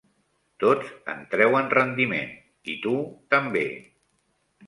Tots en treuen rendiment, i tu també.